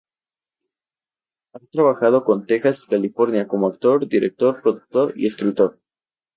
Ha trabajado en Texas y California como actor, director, productor y escritor.